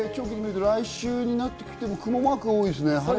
来週になっても、くもマークが多いですね。